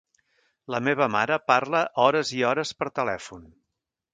La meva mare parla hores i hores per telèfon.